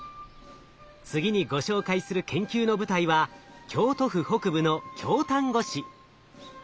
次にご紹介する研究の舞台は京都府北部の京丹後市。